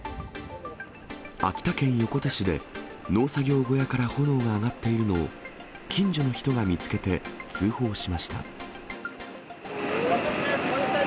秋田県横手市で、農作業小屋から炎が上がっているのを近所の人が見つけて通報しました。